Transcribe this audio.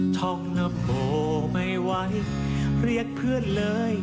ท่องนโมไม่ไหวเรียกเพื่อนเลย